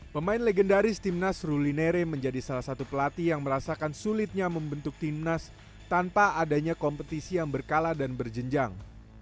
pemain legendaris timnas ruli nere menjadi salah satu pelatih yang merasakan sulitnya membentuk timnas tanpa adanya kompetisi yang berkala dan berjenjang